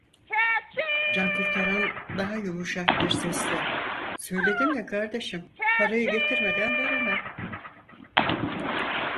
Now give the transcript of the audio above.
Cankurtaran daha yumuşak bir sesle: "Söyledim ya kardeşim, parayı getirmeden veremem!"